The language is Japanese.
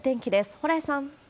蓬莱さん。